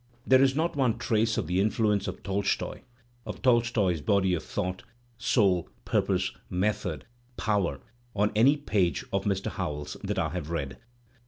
There is not one trace of the influence of . Tolstoy, of Tolstoy's body of thought, soul, purpose, method, ci power, on any page of Mr. Howells that I have read.